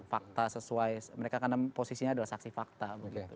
fakta sesuai mereka karena posisinya adalah saksi fakta begitu